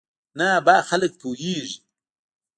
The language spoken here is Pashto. نه ابا خلک پوېېږي.